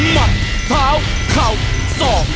มัดเท้าเข่าสอก